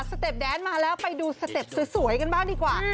เต็ปแดนมาแล้วไปดูสเต็ปสวยกันบ้างดีกว่า